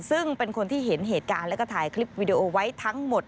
ซึ่งเป็นคนที่เห็นเหตุการณ์แล้วก็ถ่ายคลิปวิดีโอไว้ทั้งหมด